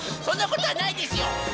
そんなことはないですよ！